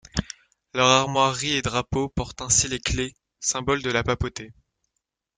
Leurs armoiries et drapeaux portent ainsi les clés, symboles de la papauté.